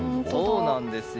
そうなんですよ。